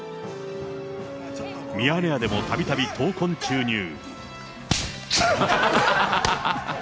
ミヤネ屋でもたびたび闘魂注入。